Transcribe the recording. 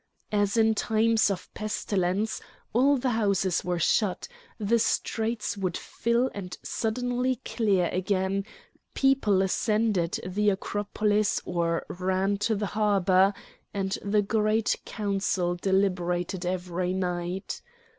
As in times of pestilence, all the houses were shut; the streets would fill and suddenly clear again; people ascended the Acropolis or ran to the harbour, and the Great Council deliberated every night.